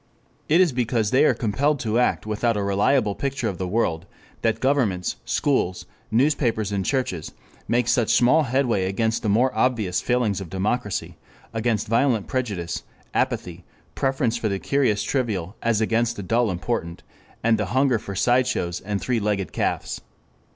It is because they are compelled to act without a reliable picture of the world, that governments, schools, newspapers and churches make such small headway against the more obvious failings of democracy, against violent prejudice, apathy, preference for the curious trivial as against the dull important, and the hunger for sideshows and three legged calves.